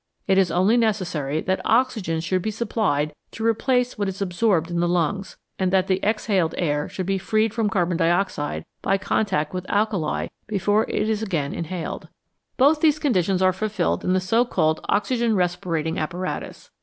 It is only necessary that oxygen should be supplied to replace what is absorbed in the lungs, and that the exhaled air should be freed from carbon dioxide by contact with alkali before it is again inhaled. Both these conditions are fulfilled in the so called oxygen respirating apparatus.